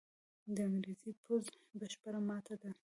د انګرېزي پوځ بشپړه ماته ده.